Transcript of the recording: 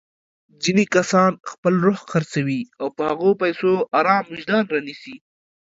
ځيني کسان خپل روح خرڅوي او په هغو پيسو ارام وجدان رانيسي.